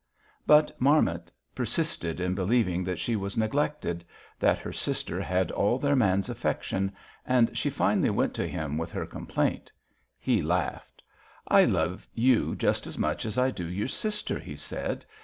"But Marmot persisted in believing that she was neglected; that her sister had all their man's affection; and she finally went to him with her complaint. He laughed. 'I love you just as much as I do your sister,' he said.